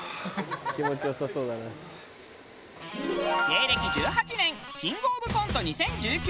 芸歴１８年キングオブコント２０１９